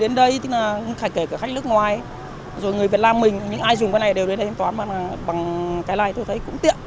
người việt đến đây khả kể cả khách nước ngoài rồi người việt nam mình những ai dùng bên này đều đến đây thanh toán bằng cái này tôi thấy cũng tiện